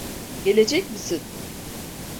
Gelecek misin?